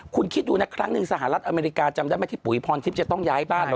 คุณคิดดูนะครั้งหนึ่งสหรัฐอเมริกาจำได้ไหมที่ปุ๋ยพรทิพย์จะต้องย้ายบ้านเลย